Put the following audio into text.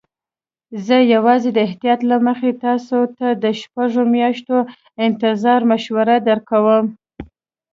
زه یوازې د احتیاط له مخې تاسي ته د شپږو میاشتو انتظار مشوره درکوم.